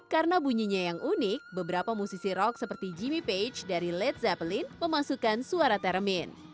karena bunyinya yang unik beberapa musisi rock seperti jimmy page dari led zeppelin memasukkan suara teramin